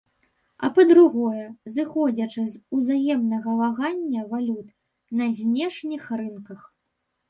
А па-другое, зыходзячы з узаемнага вагання валют на знешніх рынках.